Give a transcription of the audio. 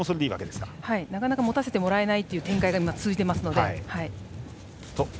なかなか持たせてもらえない展開が続いていますので。